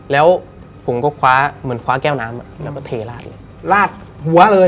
แล้วผมก็คว้าเหมือนคว้าแก้วน้ำแล้วก็เทลาดลาดหัวเลย